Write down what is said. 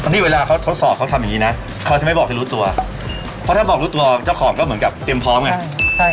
นี่เวลาเขาทดสอบเขาทำอย่างนี้นะเขาจะไม่บอกจะรู้ตัวเพราะถ้าบอกรู้ตัวเจ้าของก็เหมือนกับเตรียมพร้อมไง